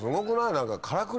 何か。